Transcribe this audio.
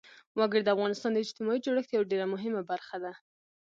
وګړي د افغانستان د اجتماعي جوړښت یوه ډېره مهمه برخه ده.